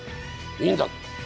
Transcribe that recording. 「いいんだ」と？